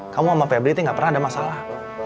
kamu sama pebri itu nggak pernah ada masalah